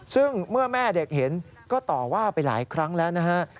ซึ่งเมื่อแม่เด็กเห็นก็ต่อว่าไปหลายครั้งแล้วนะฮะ